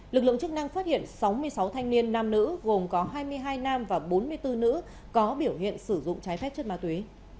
lực lượng chức năng phát hiện sáu mươi sáu thanh niên nam nữ gồm có hai mươi hai nam và bốn mươi bốn nữ có biểu hiện sử dụng trái phép chất ma túy